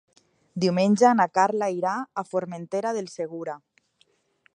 Diumenge na Carla irà a Formentera del Segura.